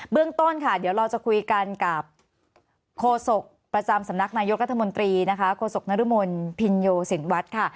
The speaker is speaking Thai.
เบื้องต้นค่ะเดี๋ยวเราจะคุยกันกับโฆษกประจำสำนักนายุทธมนตรีโฆษกนรมนศ์พิญโยศิลป์วัดค่ะ